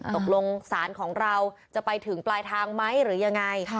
ตกลงศาลของเราจะไปถึงปลายทางไหมหรือยังไง